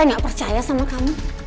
gak percaya sama kamu